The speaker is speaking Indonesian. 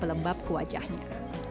dan lembab ke wajahnya